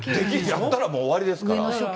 やったらもう終わりですから。